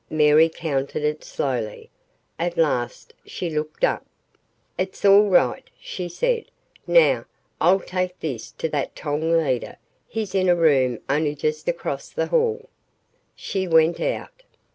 Mary counted it slowly. At last she looked up. "It's all right," she said. "Now, I'll take this to that tong leader he's in a room only just across the hall." She went out.